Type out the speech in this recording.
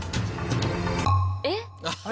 えっ。